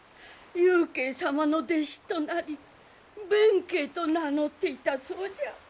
祐慶様の弟子となり弁慶と名乗っていたそうじゃ。